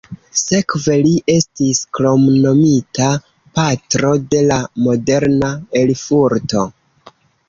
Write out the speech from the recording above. Sekve li estis kromnomita "patro de la moderna Erfurto".